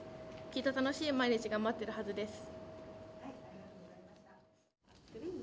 きっと楽しい毎日が待ってるはずです」。